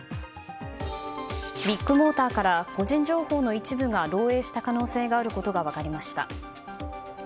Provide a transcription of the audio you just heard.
ビッグモーターから個人情報の一部が漏洩した可能性があることが分かりました。